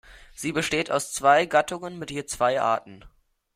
Sie besteht aus zwei Gattungen mit je zwei Arten.